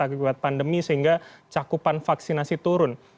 akibat pandemi sehingga cakupan vaksinasi turun